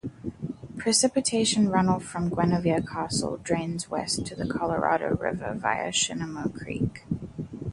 Precipitation runoff from Guinevere Castle drains west to the Colorado River via Shinumo Creek.